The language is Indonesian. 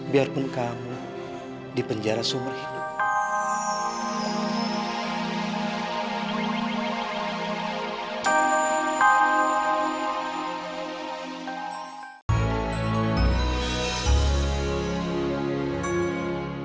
biarpun kamu dipenjara seumur hidup